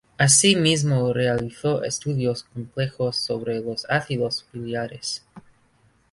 Así mismo realizó estudios complejos sobre los ácidos biliares.